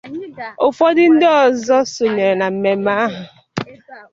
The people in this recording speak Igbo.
Ụfọdụ ndị ọzọ sonyere na mmemme ahụ